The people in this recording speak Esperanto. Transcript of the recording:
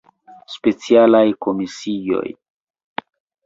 Specialaj Komisioj.